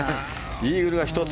イーグルが１つ。